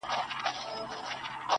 • اوس مي د زړه كورگى تياره غوندي دى.